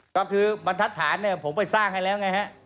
ก็คือบรรทัศน์เนี่ยผมไปสร้างให้แล้วไงฮะ